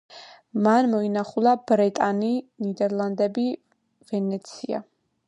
მან მოინახულა ბრეტანი, ნიდერლანდები, ვენეცია.